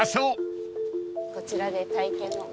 こちらで体験の。